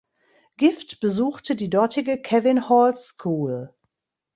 Gift besuchte die dortige Kevin Hall School.